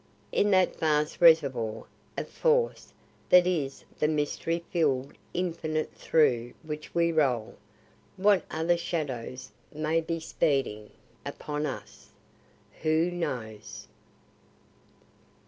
In that vast reservoir of force that is the mystery filled infinite through which we roll, what other shadows may be speeding upon us? Who knows?